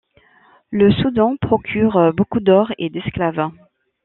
Le Soudan procure beaucoup d’or et d’esclaves.